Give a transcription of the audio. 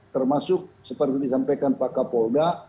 termasuk seperti disampaikan pak kapolda